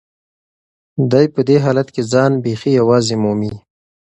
دی په دې حالت کې ځان بیخي یوازې مومي.